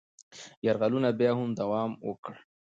یرغلونه بیا هم دوام وکړل.